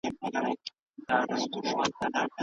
پانګه د ودې قاطع عامل ونه ګڼل شو.